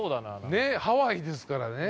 ねっハワイですからね。